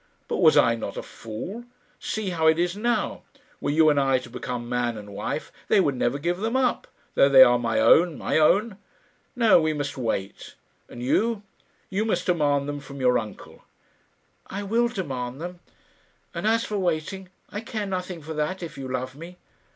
"But was I not a fool? See how it is now. Were you and I to become man and wife, they would never give them up, though they are my own my own. No; we must wait; and you you must demand them from your uncle." "I will demand them. And as for waiting, I care nothing for that if you love me."